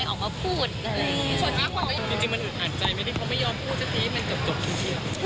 จริงมันอึดหันใจไหมที่เขาไม่ยอมพูดเฉยมันจบจริง